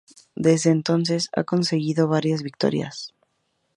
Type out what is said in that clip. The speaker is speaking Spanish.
Desde entonces, ha conseguido varias victorias.